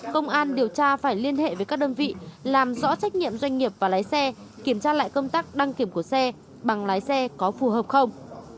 công an điều tra phải liên hệ với các đơn vị làm rõ trách nhiệm doanh nghiệp và lái xe kiểm tra lại công tác đăng kiểm của xe bằng lái xe có phù hợp không